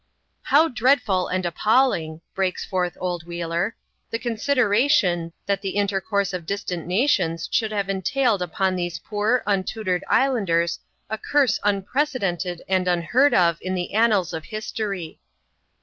" How dreadful and appalling," breaks forth old Wheeler, "the consideration, that the intercourse of distant nations should have entailed upon these poor, untutored islanders a curse unprecedented and unheard of in the annals of history."